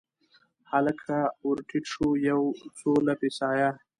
هلک ورټیټ شو یو، څو لپې سایه